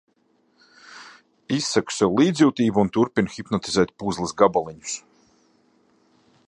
Izsaku sev līdzjūtību un turpinu hipnotizēt puzles gabaliņus.